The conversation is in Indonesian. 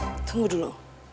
eh tunggu dulu